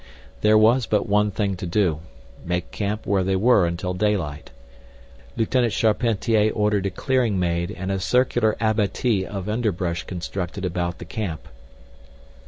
There was but one thing to do, make camp where they were until daylight. Lieutenant Charpentier ordered a clearing made and a circular abatis of underbrush constructed about the camp.